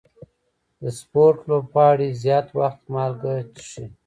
د سپورټ لوبغاړي زیات وخت مالګه څښي.